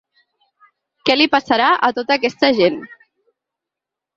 Què li passarà, a tota aquesta gent?